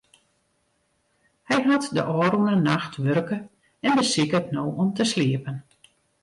Hy hat de ôfrûne nacht wurke en besiket no om te sliepen.